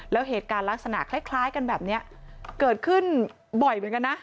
แล้วเหตุการณ์ลักษณะคล้ายกันแบบนี้เกิดขึ้นบ่อยเหมือนกันนะ